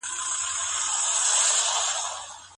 هر وخت چې ماشوم ښوونځي ته ولاړ شي، کار ته به اړ نه شي.